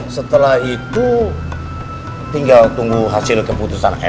setelah itu tinggal tunggu hasil keputusan mk